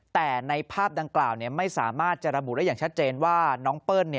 แต่ในภาพดังกล่าวไม่สามารถจะระบุได้อย่างชัดเจนว่าน้องเปิ้ล